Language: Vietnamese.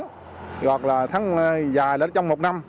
hoặc là tháng dài là trong một năm